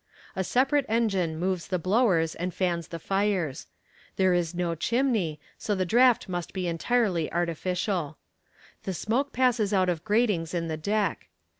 A separate engine moves the blowers and fans the fires. There is no chimney, so the draft must be entirely artificial. The smoke passes out of gratings in the deck.